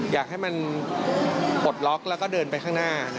อยากให้มันปลดล็อกแล้วก็เดินไปข้างหน้า